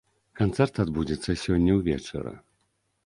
Канцэрт адбудзецца сёння ўвечары.